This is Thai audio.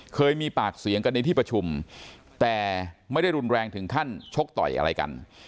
เคยมีปากเสียงกันในที่ประชุมแต่ไม่ได้รุนแรงถึงขั้นชกต่อยอะไรกัน